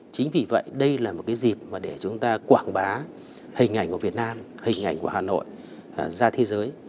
chính vì vậy đây là một cái dịp mà để chúng ta quảng bá hình ảnh của việt nam hình ảnh của hà nội ra thế giới